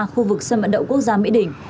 khu vực sân vận động quốc gia mỹ đình